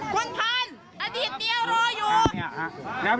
คุณพันธุ์อดีตเมียรออยู่